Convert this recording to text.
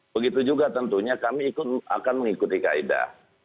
begitu juga tentunya kami akan mengikuti kaedah